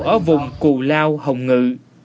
ở vùng cù lao hồng ngự